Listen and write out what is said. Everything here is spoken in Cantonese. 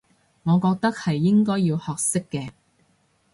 我覺得係應該要學識嘅